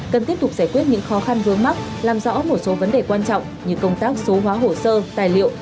cần tiếp tục giải quyết những khó khăn vướng mắc làm rõ một số vấn đề quan trọng như công tác số hóa hồ sơ tài liệu